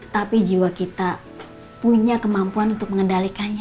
tapi jiwa kita punya kemampuan untuk mengendalikannya